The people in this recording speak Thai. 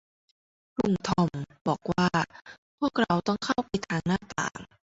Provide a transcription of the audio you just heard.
ลุงทอมบอกว่าพวกเราต้องเข้าไปทางหน้าต่าง